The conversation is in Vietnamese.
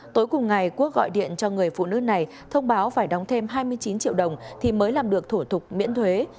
tối cùng ngày quốc gọi điện cho người phụ nữ này thông báo phải đóng thêm hai mươi chín triệu đồng thì mới làm được thủ tục miễn thuế